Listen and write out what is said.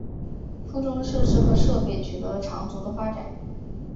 附中的设施和设备取得了长足的发展。